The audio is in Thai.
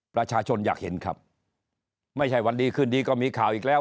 ประชาชนอยากเห็นครับไม่ใช่วันดีขึ้นดีก็มีข่าวอีกแล้ว